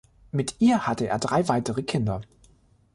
Mit ihr hatte er drei weitere Kinder.